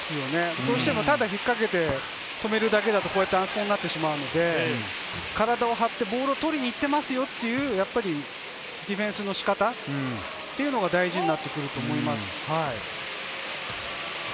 どうしてもただ引っかけて止めるだけだと、こういったアンスポになってしまうので、体を張って、ボールを取りに行っていますよというディフェンスの仕方が大事になってくると思います。